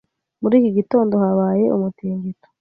Muri iki gitondo habaye umutingito.